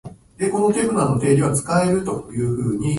まじで帰りたい